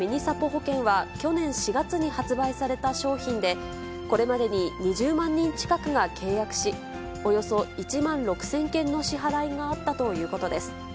ほけんは去年４月に発売された商品で、これまでに２０万人近くが契約し、およそ１万６０００件の支払いがあったということです。